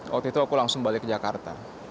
waktu itu aku langsung balik ke jakarta